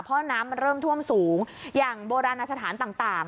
เพราะน้ำมันเริ่มท่วมสูงอย่างโบราณสถานต่าง